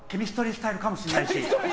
スタイルかもしれない。